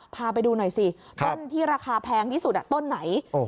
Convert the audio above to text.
พาไปดูหน่อยสิต้นที่ราคาแพงที่สุดต้นไหน